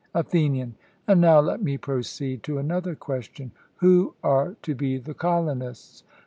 ATHENIAN: And now let me proceed to another question: Who are to be the colonists?